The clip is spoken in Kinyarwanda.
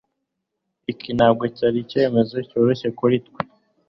Iki ntabwo cyari icyemezo cyoroshye kuri twe